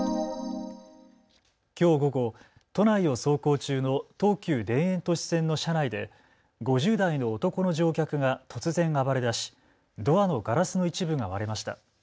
きょう午後、都内を走行中の東急田園都市線の車内で５０代の男の乗客が突然暴れだしドアのガラスの一部が割れました。